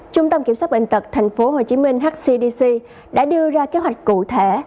trung tâm kiểm soát bệnh tật thành phố hồ chí minh hcdc đã đưa ra kế hoạch cụ thể